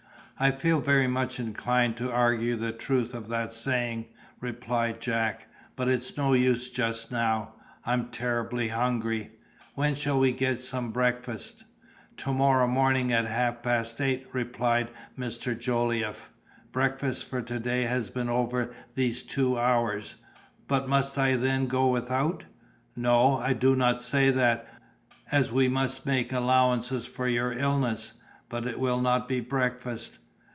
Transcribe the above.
'" "I feel very much inclined to argue the truth of that saying," replied Jack; "but it's no use just now. I'm terribly hungry—when shall I get some breakfast?" "To morrow morning at half past eight," replied Mr. Jolliffe. "Breakfast for to day has been over these two hours." "But must I then go without?" "No, I do not say that, as we must make allowances for your illness; but it will not be breakfast."